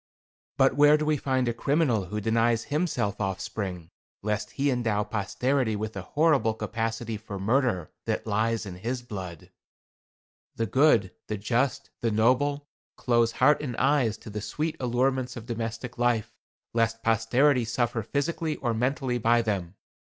But where do we find a criminal who denies himself offspring, lest he endow posterity with the horrible capacity for murder that lies in his blood? The good, the just, the noble, close heart and eyes to the sweet allurements of domestic life, lest posterity suffer physically or mentally by them.